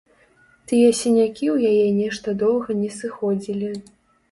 Тыя сінякі ў яе нешта доўга не сыходзілі.